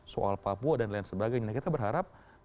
soal papua dan lain sebagainya kita berharap